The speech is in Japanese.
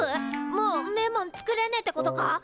もうんめえもん作れねえってことか！？